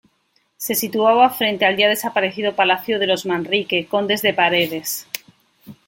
Se situaba frente al ya desaparecido palacio de los Manrique, condes de Paredes.